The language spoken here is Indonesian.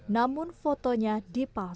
namun fotonya dipalang